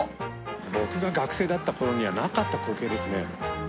僕が学生だったころにはなかった光景ですね。